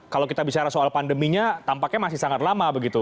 kalau kita bicara soal pandeminya tampaknya masih sangat lama begitu